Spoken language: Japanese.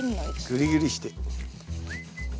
グリグリして。